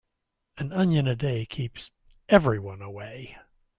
An onion a day keeps everyone away.